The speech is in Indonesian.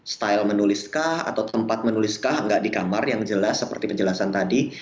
style menuliskah atau tempat menuliskah enggak di kamar yang jelas seperti penjelasan tadi